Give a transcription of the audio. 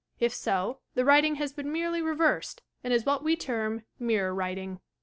If so, the writing has been merely reversed, and is what we t«rm "mirror writing."